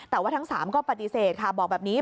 แต่ว่าทั้ง๓ก็ปฏิเสธค่ะบอกแบบนี้